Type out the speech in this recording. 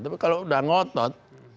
tapi kalau sudah ngotot